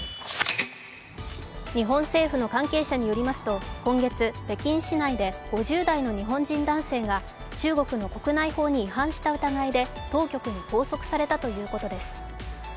日本政府の関係者によりますと、今月、北京市内で５０代の日本人男性が中国の国内法に違反した疑いで当局に拘束されたということです